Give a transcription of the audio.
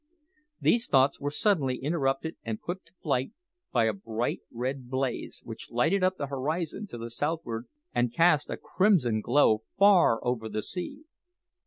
These thoughts were suddenly interrupted and put to flight by a bright red blaze, which lighted up the horizon to the southward and cast a crimson glow far over the sea.